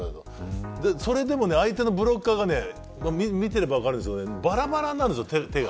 それでも、相手のブロッカーが見てれば分かるんですけどバラバラなんです手が。